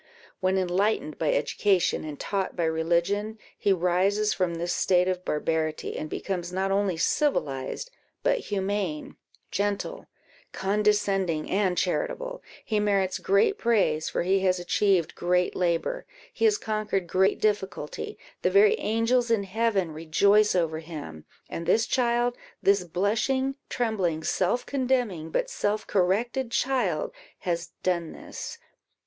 When, enlightened by education and taught by religion, he rises from this state of barbarity, and becomes not only civilized, but humane, gentle, condescending, and charitable, he merits great praise, for he has achieved great labour he has conquered great difficulty; the very angels in heaven rejoice over him; and this child, this blushing, trembling, self condemning, but self corrected child, has done this.